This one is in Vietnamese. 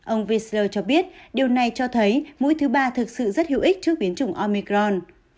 ông richer cho biết điều này cho thấy mũi thứ ba thực sự rất hữu ích trước biến chủng omicron